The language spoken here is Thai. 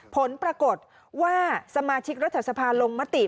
ผลปรากฏว่าสมาชิกรัฐสภาลงมติ